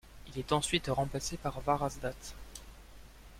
Il est ensuite remplacé par Varazdat.